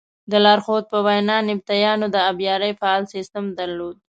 د لارښود په وینا نبطیانو د ابیارۍ فعال سیسټم درلود.